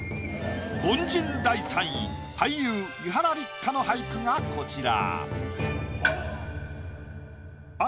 凡人第３位俳優伊原六花の俳句がこちら。